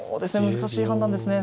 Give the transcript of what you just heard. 難しい判断ですね。